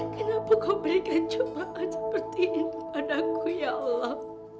kenapa kau berikan cobaan seperti ini kepadaku ya allah